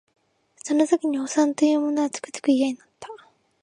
その時におさんと言う者はつくづく嫌になった